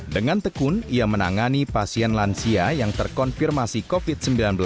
dengan tekun ia menangani pasien lansia yang terkonfirmasi covid sembilan belas